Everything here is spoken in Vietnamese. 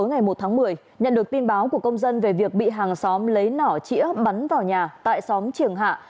ngày một tháng một mươi nhận được tin báo của công dân về việc bị hàng xóm lấy nỏ chĩa bắn vào nhà tại xóm triềng hạ